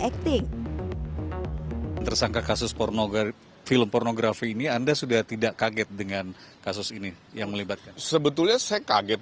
film pornografi ini anda sudah tidak kaget dengan kasus ini yang melibatkan sebetulnya saya kaget